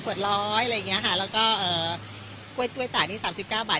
ขวดร้อยอะไรอย่างเงี้ยค่ะแล้วก็เอ่อก้วยต้วยตาดนี่สามสิบเก้าบาท